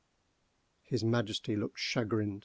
His Majesty looked chagrined.